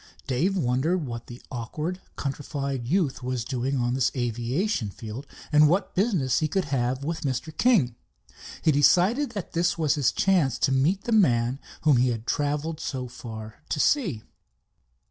Dave wondered what the awkward countrified youth was doing on the aviation field, and what business he could have with Mr. King. He decided that this was his chance to meet the man whom he had traveled so far to see.